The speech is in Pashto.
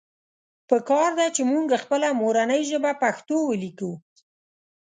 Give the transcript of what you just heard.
پکار ده چې مونږ خپله مورنۍ ژبه پښتو وليکو